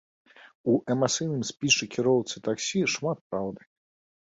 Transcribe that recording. У эмацыйным спічы кіроўцы таксі шмат праўды.